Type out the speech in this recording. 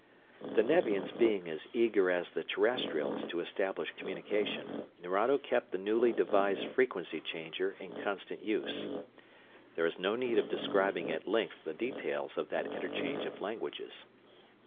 The Nevians being as eager as the Terrestrials to establish communication, Nerado kept the newly devised frequency changer in constant use. There is no need of describing at length the details of that interchange of languages.